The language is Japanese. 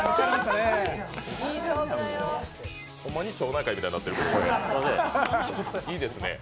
ほんまに町内会みたいになってる、いいですね。